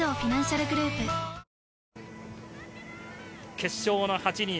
決勝の８人。